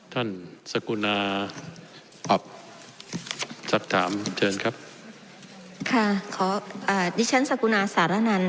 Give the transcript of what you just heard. สกุณาพอสักถามเชิญครับค่ะขออ่าดิฉันสกุณาสารนัน